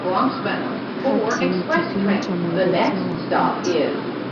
Kati ni kipimo cha mwelekeo wa kati.